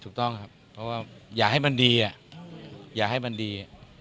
ถูกต้องครับเพราะว่าอย่าให้มันดีอย่าให้มันดี